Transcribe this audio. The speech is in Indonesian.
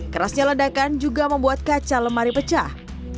kerasnya ledakan juga membuat kaca lemari pecah